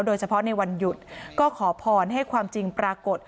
โดยเฉพาะในวันหยุดก็ขอพรให้ความจริงปรากฏ